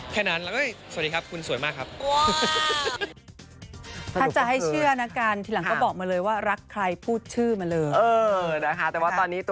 แค่นั้นแล้วก็สวัสดีครับคุณสวยมากครับ